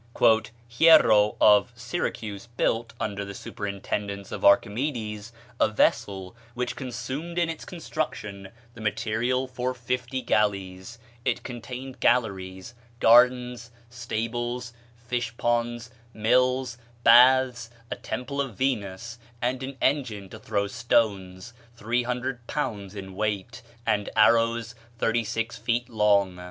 "Hiero of Syracuse built, under the superintendence of Archimedes, a vessel which consumed in its construction the material for fifty galleys; it contained galleries, gardens, stables, fish ponds, mills, baths, a temple of Venus, and an engine to throw stones three hundred pounds in weight, and arrows thirty six feet long.